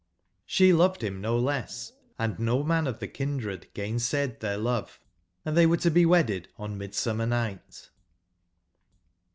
She loved him no less, and no man of the kindred gainsaid their love, and they were to be wedded on M idsummer Plight.